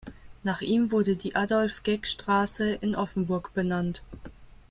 Nach ihm wurde die Adolf-Geck-Straße in Offenburg benannt.